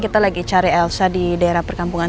kita lagi cari elsa di daerah perkampungan